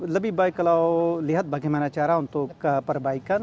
lebih baik kalau lihat bagaimana cara untuk perbaikan